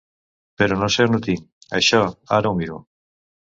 Però no sé on ho tinc, això, ara ho miro.